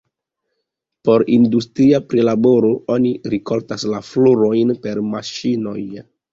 Por industria prilaboro, oni rikoltas la florojn per maŝinoj.